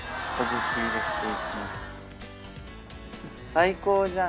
最高じゃん！